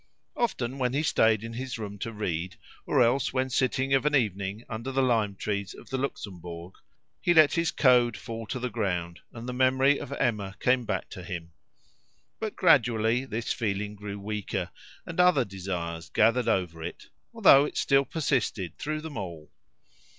Often when he stayed in his room to read, or else when sitting of an evening under the lime trees of the Luxembourg, he let his Code fall to the ground, and the memory of Emma came back to him. But gradually this feeling grew weaker, and other desires gathered over it, although it still persisted through them all.